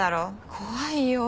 怖いよ。